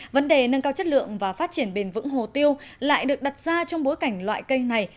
vấn đề nâng cao chất lượng và phát triển bền vững hồ tiêu lại được đặt ra trong bối cảnh loại cây này